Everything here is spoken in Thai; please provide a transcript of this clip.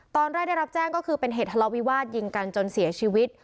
ได้รับแจ้งก็คือเป็นเหตุทะเลาวิวาสยิงกันจนเสียชีวิต